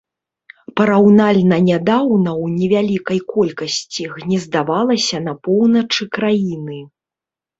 Параўнальна нядаўна ў невялікай колькасці гнездавалася на поўначы краіны.